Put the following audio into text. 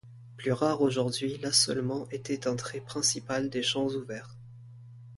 Plus rare aujourd'hui, l'assolement était un trait principal des champs ouverts.